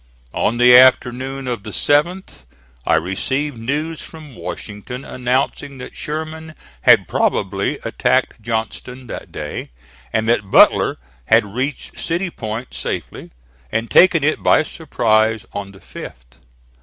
On the afternoon of the 7th I received news from Washington announcing that Sherman had probably attacked Johnston that day, and that Butler had reached City Point safely and taken it by surprise on the 5th.